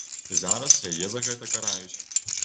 І зараз яе за гэта караюць.